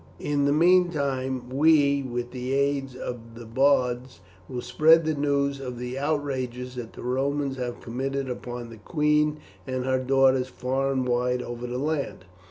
In the meantime we, with the aid of the bards, will spread the news of the outrages that the Romans have committed upon the queen and her daughters far and wide over the land.